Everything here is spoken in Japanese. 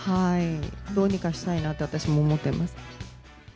どうにかしたいなと、私も思ってます。